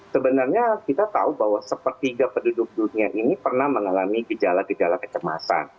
sebenarnya kita tahu bahwa sepertiga penduduk dunia ini pernah mengalami gejala gejala kecemasan